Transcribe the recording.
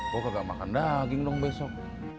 gue kagak makan daging dong besok